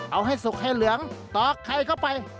เอาให้สุกให้เหลืองตอกไข่เข้าไป